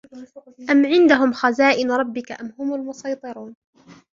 أم عندهم خزائن ربك أم هم المصيطرون